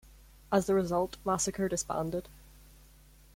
As the result, Massacre disbanded.